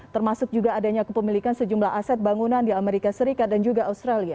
termasuk juga adanya kepemilikan sejumlah aset bangunan di amerika serikat dan juga australia